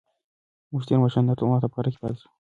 موږ تېر ماښام تر ناوخته په غره کې پاتې شوو.